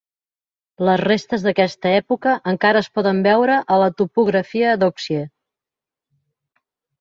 Les restes d'aquesta època encara es poden veure a la topografia d'Oxie.